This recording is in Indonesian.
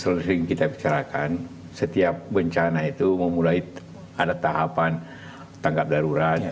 seperti yang sering kita bicarakan setiap bencana itu memulai ada tahapan tangkap darurat